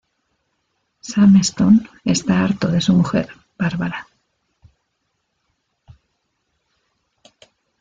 Sam Stone está harto de su mujer, Bárbara.